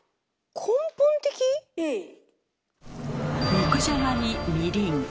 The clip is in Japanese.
肉じゃがにみりん。